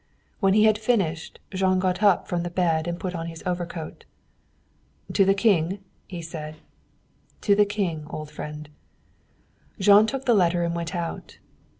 When he had finished Jean got up from the bed and put on his overcoat. "To the King?" he said. "To the King, old friend." Jean took the letter and went out.